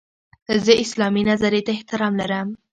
زه اسلامي نظرې ته احترام لرم.